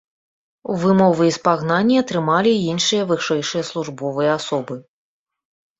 Вымовы і спагнанні атрымалі іншыя вышэйшыя службовыя асобы.